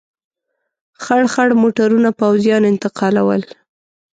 خړ خړ موټرونه پوځیان انتقالول.